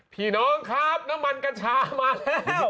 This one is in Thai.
พี่น้องครับน้ำมันกัญชามาแล้ว